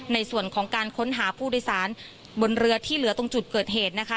ในส่วนของการค้นหาผู้โดยสารบนเรือที่เหลือตรงจุดเกิดเหตุนะคะ